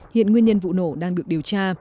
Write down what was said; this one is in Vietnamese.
hiện nguyên nhân vụ nổ đang được điều tra